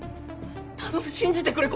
頼む信じてくれ。